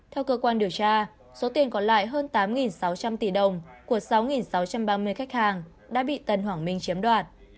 theo cơ quan điều tra số tiền còn lại hơn tám sáu trăm linh tỷ đồng của sáu sáu trăm ba mươi khách hàng đã bị tân hoàng minh chiếm đoạt